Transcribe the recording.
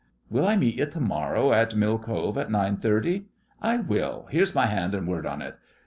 'Will I meet ye to morrow at Mill Cove at nine thirty? I will. Here's my hand an' word on it.